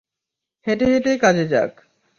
হেঁটে হেঁটে কাজে যাক।